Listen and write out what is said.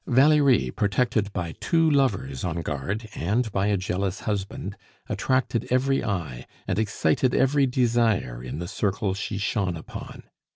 Valerie, protected by two lovers on guard, and by a jealous husband, attracted every eye, and excited every desire in the circle she shone upon.